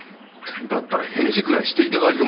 だったら返事ぐらいして頂いても。